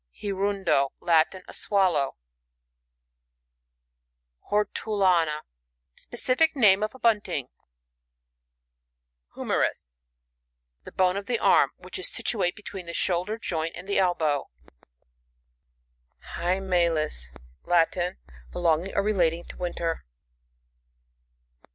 HiRUNDO.— Latin. A Swallow. HoRTULANA. — Spccific namo of a Bunting. Humerus. — The bone of the arm, which is situate between the shoul der joint and the elhdw. HvEMAUs. — Latin. Belonging or relating to winter.